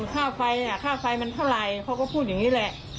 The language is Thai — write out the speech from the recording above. ค่าไฟค่าไฟมันเท่าไหร่เขาก็พูดอย่างนี้แหละ